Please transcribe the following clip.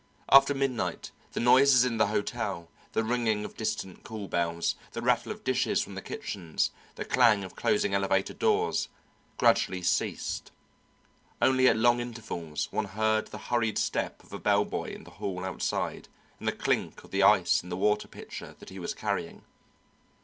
After midnight the noises in the hotel, the ringing of distant call bells, the rattle of dishes from the kitchens, the clash of closing elevator doors, gradually ceased; only at long intervals one heard the hurried step of a bell boy in the hall outside and the clink of the ice in the water pitcher that he was carrying.